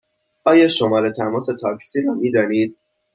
آیا شماره تماس تاکسی را می دانید؟